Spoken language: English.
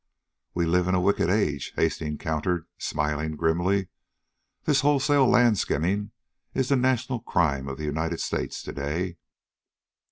"We live in a wicked age," Hastings countered, smiling grimly. "This wholesale land skinning is the national crime of the United States to day.